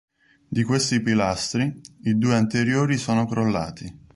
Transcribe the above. Di questi pilastri, i due anteriori sono crollati.